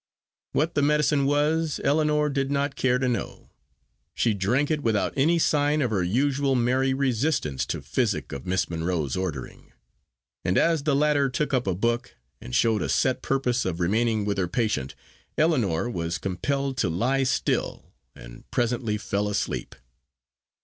What the medicine was Ellinor did not care to know; she drank it without any sign of her usual merry resistance to physic of Miss Monro's ordering; and as the latter took up a book, and showed a set purpose of remaining with her patient, Ellinor was compelled to lie still, and presently fell asleep.